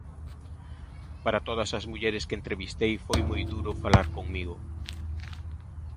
Para todas as mulleres que entrevistei foi moi duro falar comigo.